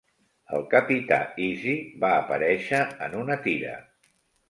El Capità Easy va aparèixer en una tira.